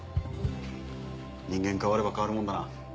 人間変われば変わるもんだな。